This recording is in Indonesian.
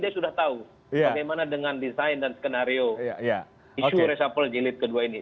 dia sudah tahu bagaimana dengan desain dan skenario isu resapel jilid kedua ini